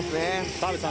澤部さん